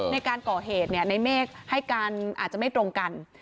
ในการก่อเหตุในเมฆให้การอาจจะไม่ตรงกัน